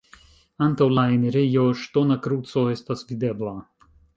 Antaŭ la enirejo ŝtona kruco estas videbla.